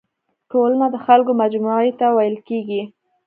ټولنه د خلکو مجموعي ته ويل کيږي.